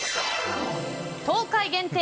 東海限定